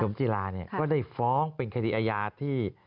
คุณเข็มจีลาเนี่ยก็ได้ฟ้องเป็นคดีอายาที่